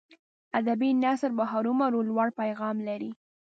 ادبي نثر به هرو مرو لوړ پیغام لري.